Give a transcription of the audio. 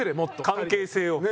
関係性を。